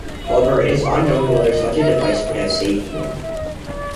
However, it is unknown whether such a device would have saved Moore.